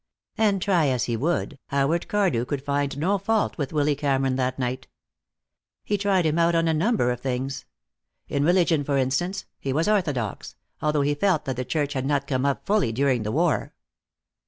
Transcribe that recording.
And, try as he would, Howard Cardew could find no fault with Willy Cameron that night. He tried him out on a number of things. In religion, for instance, he was orthodox, although he felt that the church had not come up fully during the war.